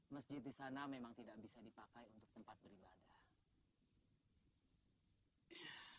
masjid disana memang tidak bisa dipakai untuk tempat beribadah